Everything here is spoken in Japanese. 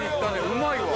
うまいわ。